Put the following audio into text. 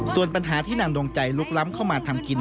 ส่วนปัญหาที่นางดวงใจลุกล้ำเข้ามาทำกิน